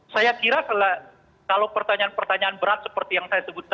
saya kira kalau pertanyaan pertanyaan berat seperti ini saya akan menjawab